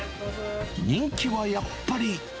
人気はやっぱり。